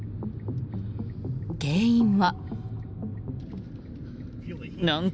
原因は。